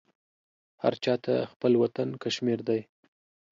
هر چاته خپل وطن کشمير دى.